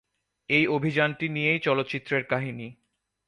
এই অভিযানটি নিয়েই চলচ্চিত্রের কাহিনী।